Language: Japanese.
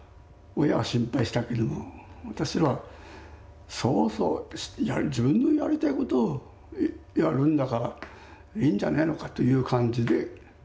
親は心配したけども私らはそうそう自分のやりたいことをやるんだからいいんじゃないのかという感じで見守っておりましたけどもね。